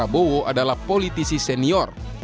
dan prabowo adalah politisi senior